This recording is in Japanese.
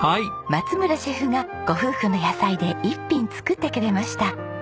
松村シェフがご夫婦の野菜で一品作ってくれました。